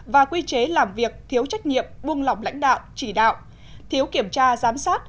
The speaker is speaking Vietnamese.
và quy chế làm việc thiếu trách nhiệm buông lỏng lãnh đạo chỉ đạo thiếu kiểm tra giám sát